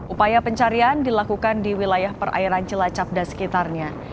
upaya pencarian dilakukan di wilayah perairan cilacap dan sekitarnya